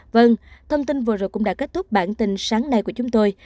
vâng thông tin vừa rồi cũng đã kết thúc bản tin sáng nay của chúng tôi